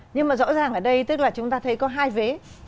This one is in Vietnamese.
nhưng mà rõ ràng ở đây tức là chúng ta thấy có hai vế